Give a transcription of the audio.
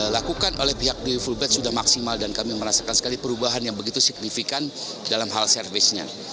lakukan oleh pihak dwi fullbad sudah maksimal dan kami merasakan sekali perubahan yang begitu signifikan dalam hal servisnya